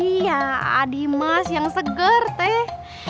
iya adi emas yang seger teh